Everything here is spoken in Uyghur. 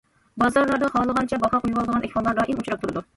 بازارلاردا خالىغانچە باھا قويۇۋالىدىغان ئەھۋاللار دائىم ئۇچراپ تۇرىدۇ.